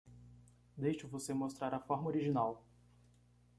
Deixe você mostrar a forma original!